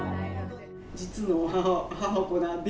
実の母子なんで。